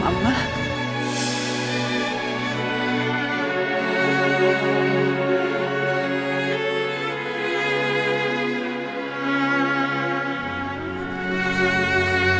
udah kamu jangan sedih